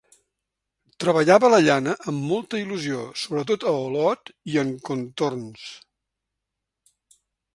Treballava la llana amb molta il·lusió, sobretot a Olot i encontorns.